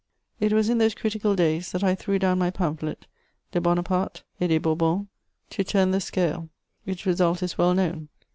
_] It was in those critical days that I threw down my pamphlet De Bonaparte et des Bourbons to turn the scale: its result is well known.